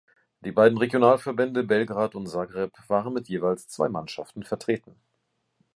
Die beiden Regionalverbände Belgrad und Zagreb waren mit jeweils zwei Mannschaften vertreten.